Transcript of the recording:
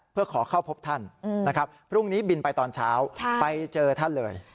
เพื่อขอเข้าพบท่านนะครับพรุ่งนี้บินไปตอนเช้าไปเจอท่านเลย